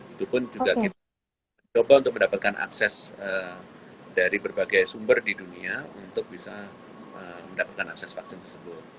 itu pun juga kita coba untuk mendapatkan akses dari berbagai sumber di dunia untuk bisa mendapatkan akses vaksin tersebut